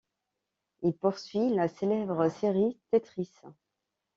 Il poursuit la célèbre série Tetris.